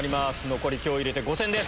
残り今日入れて５戦です。